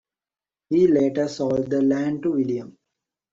He later sold the land to William.